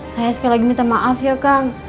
saya sekali lagi minta maaf ya kang